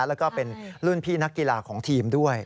แล้วก็เป็นรุ่นพี่นักกีฬาของทีมด้วย